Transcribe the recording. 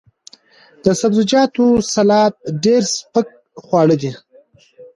د سبزیجاتو سلاد ډیر سپک خواړه دي.